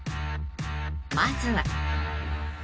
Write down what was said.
［まずは］